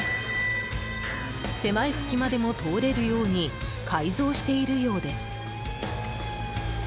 狭い隙間でも通れるように改造しているようです。